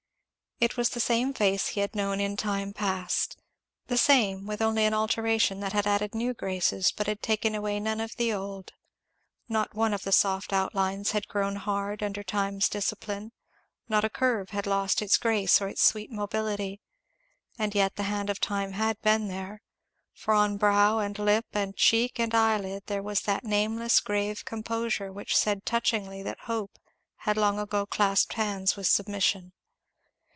It was the same face he had known in time past, the same, with only an alteration that had added new graces but had taken away none of the old. Not one of the soft outlines had grown hard under Time's discipline; not a curve had lost its grace or its sweet mobility; and yet the hand of Time had been there; for on brow and lip and cheek and eyelid there was that nameless grave composure which said touchingly that hope had long ago clasped hands with submission.